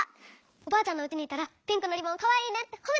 おばあちゃんのうちにいったらピンクのリボンかわいいねってほめてくれたの。